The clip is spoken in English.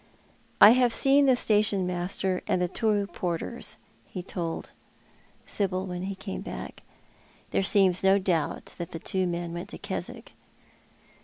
" I have seen the station master and the two porters," he told 248 ,T/iou art ilie Alan. Sibyl, when he came back. " There seems no doubt that the two men went to Keswick.